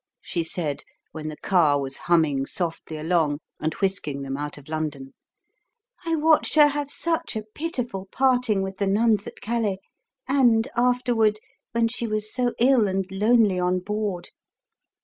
she said, when the car was humming softly along, and whisking them out of London. " I watched her have such a pitiful parting with the nuns at Calais, and afterward, when she was so ill and lonely on board.